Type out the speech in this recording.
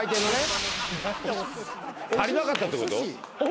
足りなかったってこと？